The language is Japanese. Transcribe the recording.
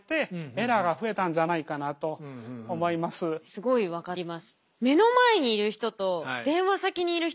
すごい分かります。